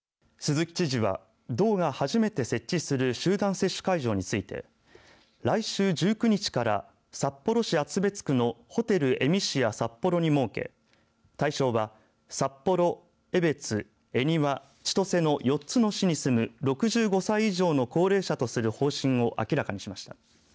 鈴木知事は道が初めて設置する集団接種会場について来週１９日から札幌市厚別区のホテルエミシア札幌に設け対象は札幌江別、恵庭千歳の４つの市に住む６５歳以上の高齢者とする方針を明らかにしました。